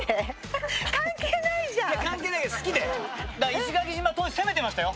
石垣島、当時、攻めてましたよ。